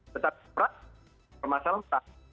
tetap berat permasalahan tak